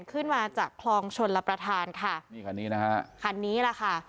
ขึ้นมาจากคลองชนรับประทานค่ะนี่คันนี้นะฮะคันนี้แหละค่ะ